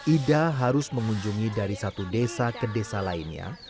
ida harus mengunjungi dari satu desa ke desa lainnya